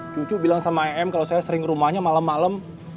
cucu bilang sama em kalau saya sering rumahnya malam malam